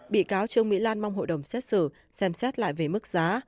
bị cáo trương mỹ lan mong hội đồng xét xử xem xét lại về mức giá